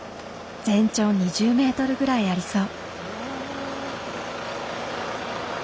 全長２０メートルぐらいありそう。